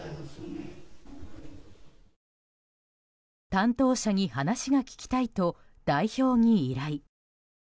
担当者に話が聞きたいと代表に依頼。